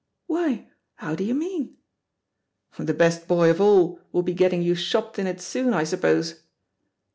"Why, how do you mean?'* "The Tbest boy of all' will be getting you shopped in it soon, I suppose?